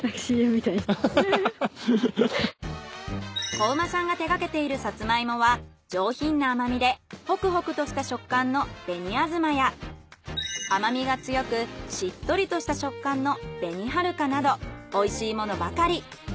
高麗さんが手がけているサツマイモは上品な甘みでホクホクとした食感の甘みが強くしっとりとした食感のおいしいものばかり。